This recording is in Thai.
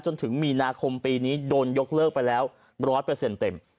จนถึงมีนาคมปีนี้โดนยกเลิกไปแล้วร้อยเปอร์เซ็นต์เต็ม